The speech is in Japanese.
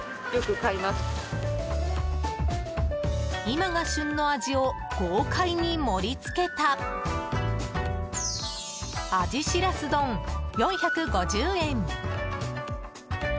今が旬のアジを豪快に盛り付けた鯵シラス丼、４５０円。